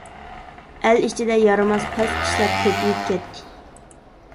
ئەل ئىچىدە يارىماس پەس كىشىلەر كۆپىيىپ كەتتى.